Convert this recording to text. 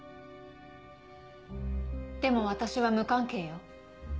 でも私は無関係よ。